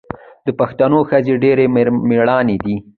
د پښتنو ښځې ډیرې میړنۍ دي.